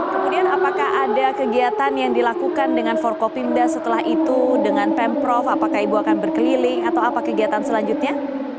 kemudian apakah ada kegiatan yang dilakukan dengan forkopimda setelah itu dengan pemprov apakah ibu akan berkeliling atau apa kegiatan selanjutnya